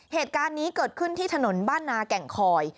เหตุการณ์นี้เกิดขึ้นที่ถนนบ้านนาแก่งคอย